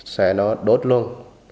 xe nó đốt luôn